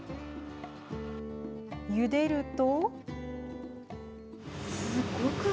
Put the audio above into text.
ゆでると。